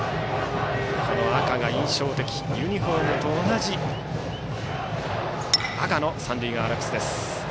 赤が印象的ユニフォームと同じ赤の三塁側アルプス。